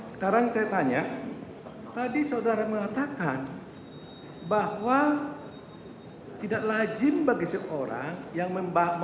sekarang saya tanya tadi saudara mengatakan bahwa tidak lajim bagi seorang yang mau membalas traktir kota